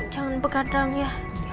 jangan berkadang ya